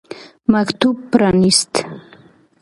مکتوب پرانیست.